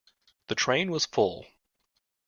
The train was full.